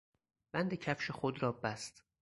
بند کفش خود را بست.